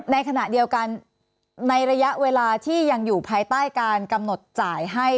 ในขณะเดียวกันในระยะเวลาที่ยังอยู่ภายใต้การกำหนดจ่ายให้